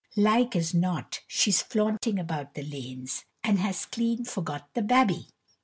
Like as not, she's flaunting about the lanes, and has clean forgot the babby."